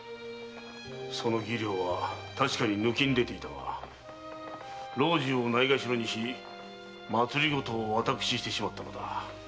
その技量は確かに抜きん出ていたが老中をないがしろにし政を私してしまったのだ。